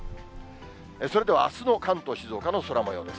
それではあすの関東、静岡の空もようです。